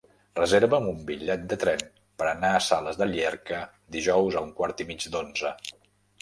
Reserva'm un bitllet de tren per anar a Sales de Llierca dijous a un quart i mig d'onze.